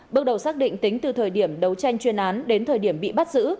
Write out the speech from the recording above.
bước đầu xác định tính từ thời điểm đấu tranh chuyên án đến thời điểm bị bắt giữ